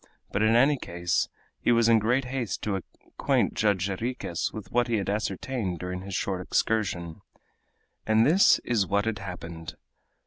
But in any case he was in great haste to acquaint Judge Jarriquez with what he had ascertained during his short excursion. And this is what had happened.